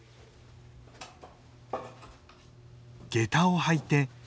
下駄を履いて。